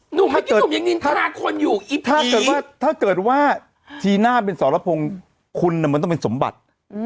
หนุ่มยังนินทนาคนอยู่ถ้าเกิดว่าถ้าเกิดว่าทีน่าเป็นสรพงศ์คุณมันต้องเป็นสมบัติ